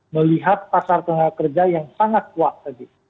melihat pasar tenaga kerja yang sangat kuat tadi